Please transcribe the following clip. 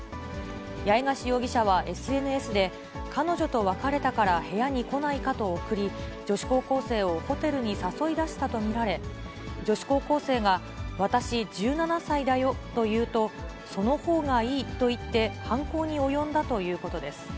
八重樫容疑者はＳＮＳで、彼女と別れたから、部屋に来ないかと送り、女子高校生をホテルに誘い出したと見られ、女子高校生が私、１７歳だよと言うと、そのほうがいいと言って、犯行に及んだということです。